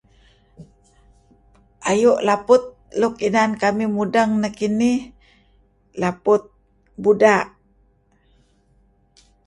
Ayu' laput luk inan kamih mudeng nekinih laput buda'.